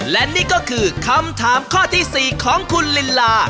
และนี่ก็คือคำถามข้อที่๔ของคุณลินลา